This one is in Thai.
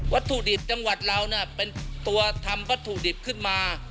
ถุดิบจังหวัดเราเป็นตัวทำวัตถุดิบขึ้นมา